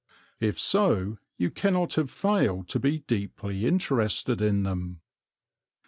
If so you cannot have failed to be deeply interested in them.